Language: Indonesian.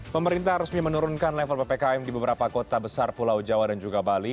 pemerintah resmi menurunkan level ppkm di beberapa kota besar pulau jawa dan juga bali